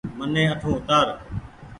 مني اٺون اوتآر ۔